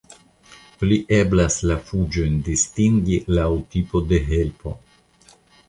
Plu eblas la fuĝojn distingi laŭ tipo de helpo.